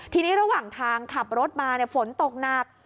ทีนี้ระหว่างทางขับรถมาฝนตกหนัก